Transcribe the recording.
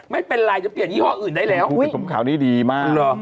มันเป็นไรจะเปลี่ยนยี่หอส์อื่นได้แล้ว